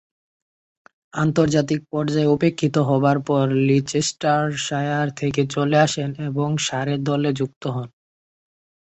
আন্তর্জাতিক পর্যায়ে উপেক্ষিত হবার পর লিচেস্টারশায়ার থেকে চলে আসেন ও সারে দলে যুক্ত হন।